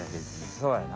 そうやな。